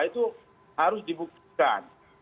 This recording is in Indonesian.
itu harus dibuktikan